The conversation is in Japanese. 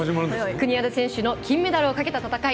国枝選手の金メダルをかけた戦い。